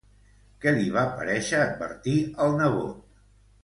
Què li va parèixer advertir al nebot?